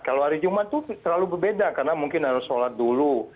kalau hari jumat itu terlalu berbeda karena mungkin harus sholat dulu